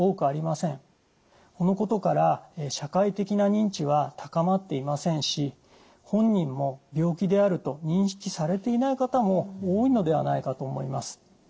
このことから社会的な認知は高まっていませんし本人も病気であると認識されていない方も多いのではないかと思います。